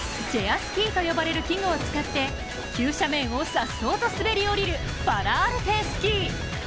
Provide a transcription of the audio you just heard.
スキーと呼ばれる器具を使って急斜面をさっそうと滑り降りるパラアルペンスキー。